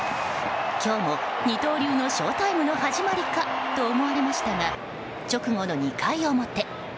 今日も二刀流のショータイムの始まりかと思われましたが、直後の２回表。